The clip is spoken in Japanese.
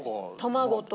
卵と。